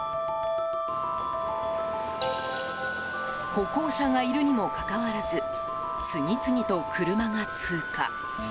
歩行者がいるにもかかわらず次々と車が通過。